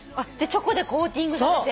チョコでコーティングされて？